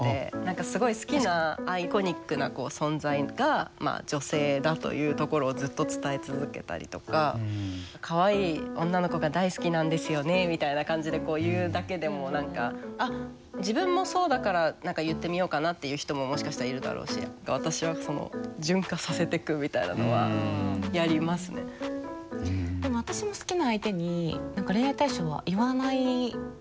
すごい好きなアイコニックな存在が女性だというところをずっと伝え続けたりとかかわいい女の子が大好きなんですよねみたいな感じで言うだけでも何かあっ自分もそうだから言ってみようかなっていう人ももしかしたらいるだろうし私はでも私も好きな相手に恋愛対象は言わないかな。